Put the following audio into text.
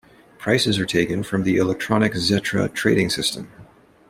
Prices are taken from the electronic Xetra trading system.